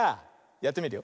やってみるよ。